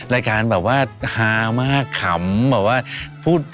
รายการแบบว่าฮามากขำแบบว่าพูด